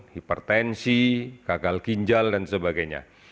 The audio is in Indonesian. hipertensi gagal ginjal dan sebagainya